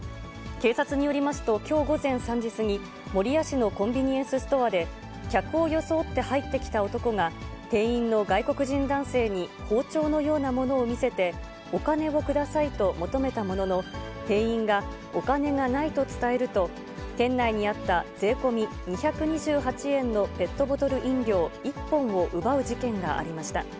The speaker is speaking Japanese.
警察によりますと、きょう午前３時過ぎ、守谷市のコンビニエンスストアで、客を装って入ってきた男が、店員の外国人男性に包丁のようなものを見せてお金をくださいと求めたものの、店員がお金がないと伝えると、店内にあった税込み２２８円のペットボトル飲料１本を奪う事件がありました。